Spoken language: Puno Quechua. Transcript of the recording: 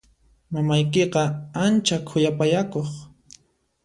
Mamaykiqa ancha khuyapayakuq.